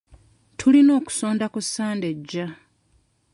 Tulina okusonda ku Sande ejja.